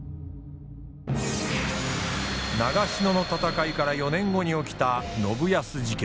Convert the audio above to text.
長篠の戦いから４年後に起きた信康事件。